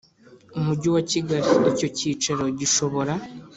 Umujyi wa Kigali Icyo cyicaro gishobora